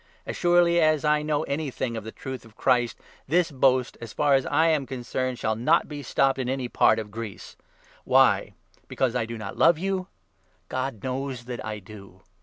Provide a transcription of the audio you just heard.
As surely as I know anything 10 of the Truth of Christ, this boast, as far as I am concerned, shall not be stopped in any part of Greece. Why ? Because 1 1 I do not love you ? God knows that I do